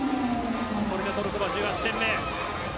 これで、トルコ１８点目。